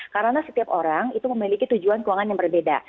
karena setiap orang itu memiliki tujuan keuangan yang berbeda